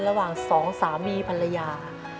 ระหว่างสองสามีภรรยา